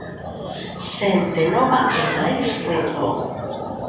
Xente nova e máis ritmo.